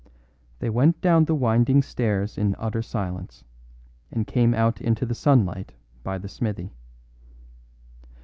They went down the winding stairs in utter silence, and came out into the sunlight by the smithy.